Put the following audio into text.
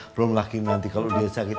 belum lagi nanti kalau dia sakit